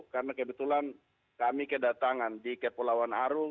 karena kebetulan kami kedatangan di kepulauan aru